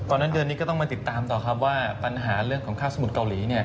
ตอนนั้นเดือนนี้ก็ต้องมาติดตามกันต่อปัญหาเรื่องของข้าวสมุทรเกาหลี